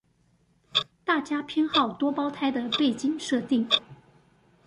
大家偏好多胞胎的背景設定